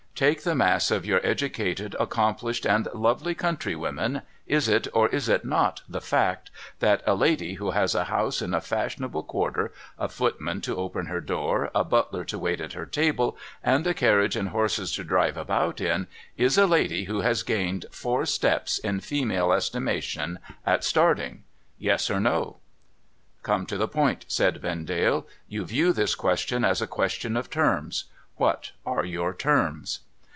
Take the mass of your educated, accom plished, and lovely country women, is it, or is it not, the fact that a lady who has a house in a fashionable quarter, a footman to open her^door, a butler to wait at her table, and a carriage and horses to drive about in, is a lady who has gained four steps, in female estimation, at starting ? Yes ? or No ?'' Come to the point,' said Vendale, ' You view this question as a question of terms. ^Miat are your terms